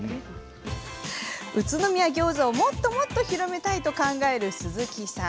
宇都宮ギョーザをもっともっと広めたいと考える鈴木さん。